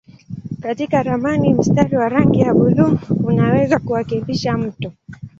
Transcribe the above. Katika ramani mstari wa rangi ya buluu unaweza kuwakilisha mto.